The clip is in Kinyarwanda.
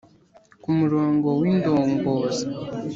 ku murongo w’indongozi